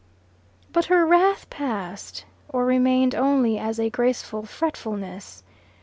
But her wrath passed, or remained only as a graceful fretfulness.